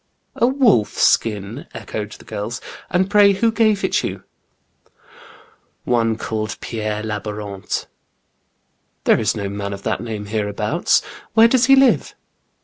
"A wolf skin! " echoed the girl; "and pray who gave it you ?"" One called Pierre Labourant." "There is no man of that name hereabouts. Where does he live